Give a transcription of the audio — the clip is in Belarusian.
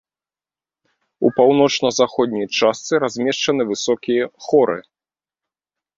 У паўночна-заходняй частцы размешчаныя высокія хоры.